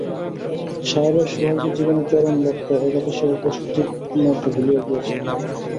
সাহেবের সোহাগ যে জীবনের চরম লক্ষ্য, এ কথা সে উপস্থিতমতো ভুলিয়া গিয়াছিল।